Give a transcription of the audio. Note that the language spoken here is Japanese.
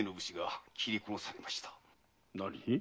何？